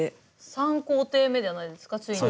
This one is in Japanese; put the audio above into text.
３工程目じゃないですかついに。